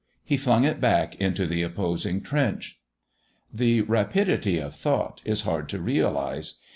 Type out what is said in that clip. He flung it back into the opposing trench. The rapidity of thought is hard to realise.